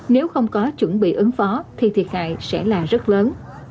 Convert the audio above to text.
nếu không có chuẩn bị ứng phó thì thiệt hại sẽ là rất lớn